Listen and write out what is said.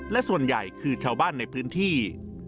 และส่วนใหญ่คือชาวบ้านในพื้นที่